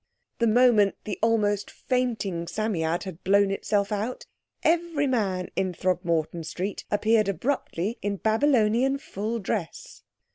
The moment the almost fainting Psammead had blown itself out every man in Throgmorton Street appeared abruptly in Babylonian full dress.